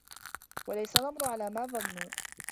وَلَيْسَ الْأَمْرُ عَلَى مَا ظَنُّوا